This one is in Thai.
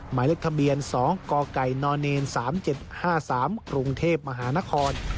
หมายเลขทะเบียน๒กกน๓๗๕๓กรุงเทพมหานคร